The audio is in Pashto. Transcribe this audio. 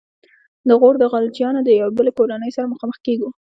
د غور د خلجیانو د یوې بلې کورنۍ سره مخامخ کیږو.